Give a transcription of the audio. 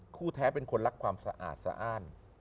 คู่แท้เป็นคนรักความสะอาดสะอ้าน